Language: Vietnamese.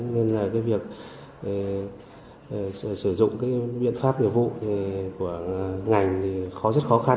nên là cái việc sử dụng cái biện pháp nghiệp vụ của ngành thì khó rất khó khăn